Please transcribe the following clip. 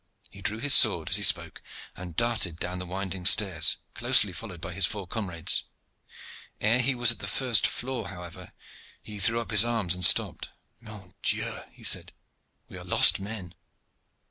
He drew his sword as he spoke and darted down the winding stairs, closely followed by his four comrades. Ere he was at the first floor, however, he threw up his arms and stopped. "Mon Dieu!" he said, "we are lost men!"